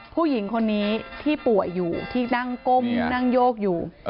ผู้หญิงคนนี้ที่ป่วยอยู่ที่นั่งก้มนั่งโยกอยู่